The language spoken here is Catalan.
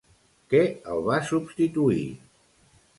Què el va substituir?